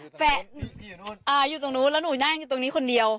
แฟนอยู่ตรงนู้นแล้วหนูนั่งอยู่ตรงนี้คนเดียว